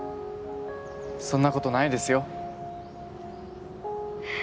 そんなことないですよ。